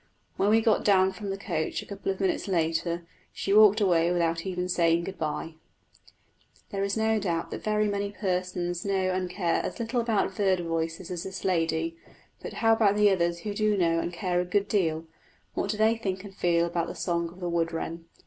When we got down from the coach a couple of minutes later, she walked away without even saying good bye. There is no doubt that very many persons know and care as little about bird voices as this lady; but how about the others who do know and care a good deal what do they think and feel about the song of the wood wren?